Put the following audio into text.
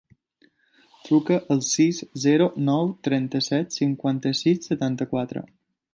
Truca al sis, zero, nou, trenta-set, cinquanta-sis, setanta-quatre.